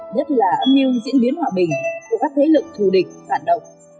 nhất là âm niu diễn biến hòa bình của các thế lực thù địch phạt động